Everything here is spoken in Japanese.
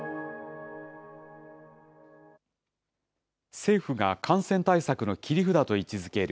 政府が感染対策の切り札と位置づける